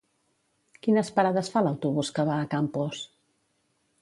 Quines parades fa l'autobús que va a Campos?